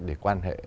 để quan hệ